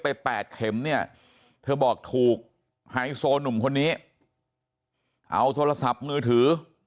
แปดเข็มเนี่ยเธอบอกถูกไฮโซหนุ่มคนนี้เอาโทรศัพท์มือถือ